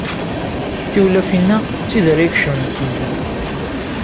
Tiwlafin-a d tid ara ikecmen deg umezruy.